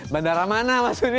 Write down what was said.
bandara mana maksudnya